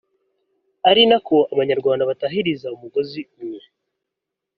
ari na ko abanyarwanda batahiriza umugozi umwe